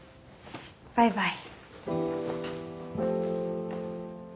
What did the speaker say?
バイバイ。